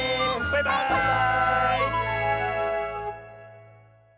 バイバーイ！